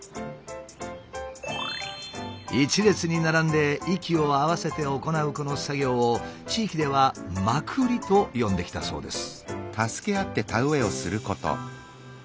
一列に並んで息を合わせて行うこの作業を地域では「まくり」と呼んできたそうです。